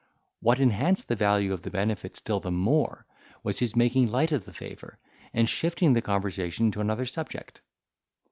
What enhanced the value of the benefit still the more, was his making light of the favour, and shifting the conversation to another subject.